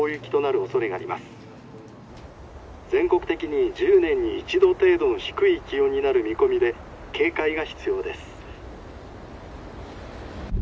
全国的に１０年に１度程度の低い気温になる見込みで警戒が必要です」。